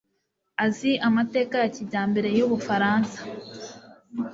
azi amateka ya kijyambere y'ubufaransa